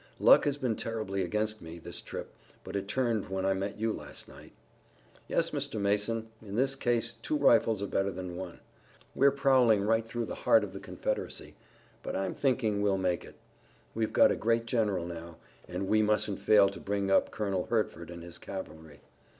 Luck has been terribly against me this trip, but it turned when I met you last night." "Yes, Mr. Mason. In this case two rifles are better than one. We're prowling right through the heart of the Confederacy, but I'm thinking we'll make it. We've got a great general now, and we mustn't fail to bring up Colonel Hertford and his cavalry.